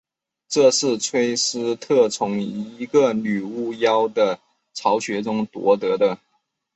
这是崔斯特从一个女巫妖的巢穴中夺得的。